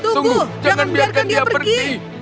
tunggu jangan biarkan dia pergi